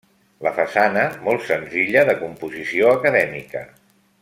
La façana molt senzilla de composició acadèmica.